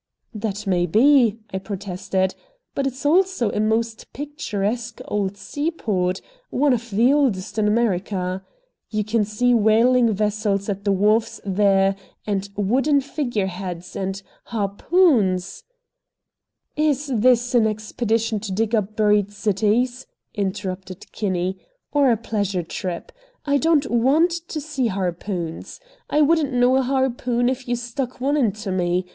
"That may be," I protested. "But it's also a most picturesque old seaport, one of the oldest in America. You can see whaling vessels at the wharfs there, and wooden figure heads, and harpoons " "Is this an expedition to dig up buried cities," interrupted Kinney, "or a pleasure trip? I don't WANT to see harpoons! I wouldn't know a harpoon if you stuck one into me.